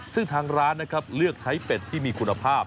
ซึ่งทางร้านนะครับเลือกใช้เป็ดที่มีคุณภาพ